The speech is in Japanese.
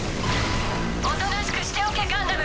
おとなしくしておけガンダム。